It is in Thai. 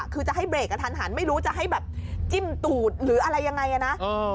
คือจะให้เบรกกระทันหันไม่รู้จะให้แบบจิ้มตูดหรืออะไรยังไงนะ